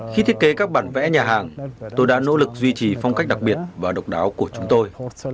khi thiết kế các bản vẽ nhà hàng tôi đã nỗ lực duy trì phong cách đặc biệt và độc đáo của chúng tôi